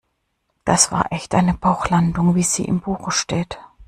Das war echt eine Bauchlandung, wie sie im Buche steht.